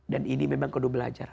dan ini memang harus belajar